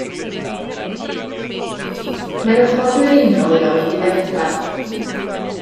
Mae'r ochr ddwyreiniol iddo wedi'i ddifetha.